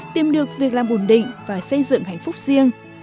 tìm được việc làm ổn định và xây dựng hạnh phúc riêng